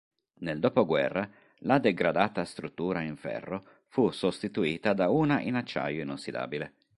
Nel dopoguerra la degradata struttura in ferro fu sostituita da una in acciaio inossidabile.